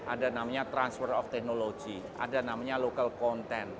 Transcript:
ada namanya transfer of technology ada namanya local content